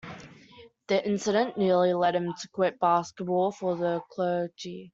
The incident nearly led him to quit basketball for the clergy.